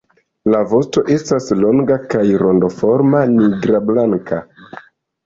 La vosto estas longa kaj rondoforma, nigrablanka.